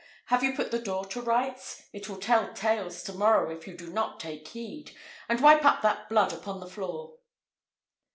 Have you put the door to rights? It will tell tales to morrow if you do not take heed; and wipe up that blood upon the floor."